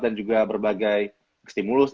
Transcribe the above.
dan juga berbagai stimulus